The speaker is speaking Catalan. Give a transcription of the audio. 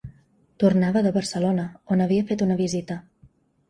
Tornava de Barcelona, on havia fet una visita.